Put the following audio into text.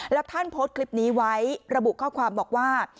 แล้วท่านโพสต์คลิปนี้ไว้ระบุข้อความบอกว่า